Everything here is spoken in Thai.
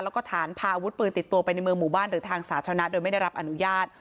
แล้วก็ฐานพาอาวุธปืนติดตัวไปในเมืองหมู่บ้านหรือทางสาธารณะโดยไม่ได้รับอนุญาต